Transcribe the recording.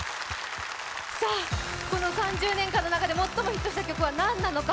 さあ、この３０年間の中で最もヒットした曲は何なのか？